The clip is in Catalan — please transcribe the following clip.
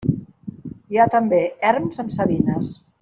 Hi ha també erms amb savines.